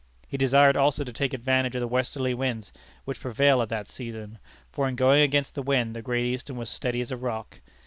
He desired also to take advantage of the westerly winds which prevail at that season, for in going against the wind the Great Eastern was steady as a rock.